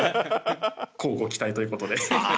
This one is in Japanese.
乞うご期待ということで。